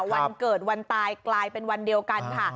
วันเกิดวันตายกลายเป็นวันเดียวกันค่ะ